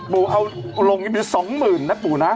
ปู่เอาลงอยู่เป็น๒๐๐๐๐นะปู่นะ